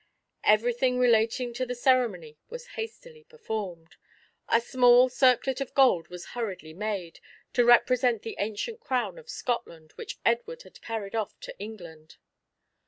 Everything relating to the ceremony was hastily performed. A small circlet of gold was hurriedly made, to represent the ancient crown of Scotland, which Edward had carried off to England.